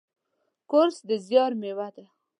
کورس د زیار میوه ده.